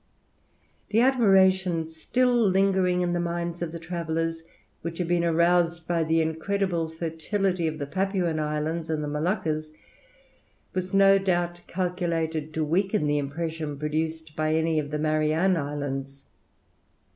The admiration, still lingering in the minds of the travellers, which had been aroused by the incredible fertility of the Papuan Islands and the Moluccas was no doubt calculated to weaken the impression produced by any of the Marianne Islands.